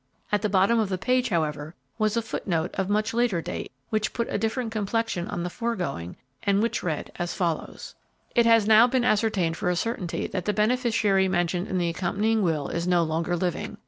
At the bottom of the page, however, was a foot note of much later date, which put a different complexion on the foregoing, and which read as follows: "It has now been ascertained for a certainty that the beneficiary mentioned in the accompanying will is no longer living.